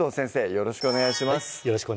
よろしくお願いします